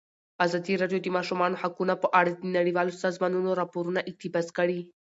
ازادي راډیو د د ماشومانو حقونه په اړه د نړیوالو سازمانونو راپورونه اقتباس کړي.